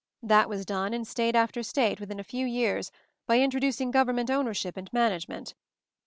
That was done in state after state, within a few years, by introducing government ownership and management.